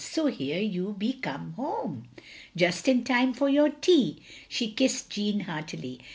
So here you be come home. Just in time for your tea —" she kissed Jeanne heartily.